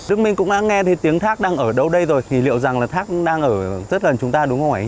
đức minh cũng đã nghe tiếng thác đang ở đâu đây rồi thì liệu rằng thác đang ở dưới lần chúng ta đúng không ạ